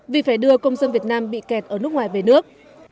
vì phải đưa công dân việt nam bị kẹt ở nước ngoài về nước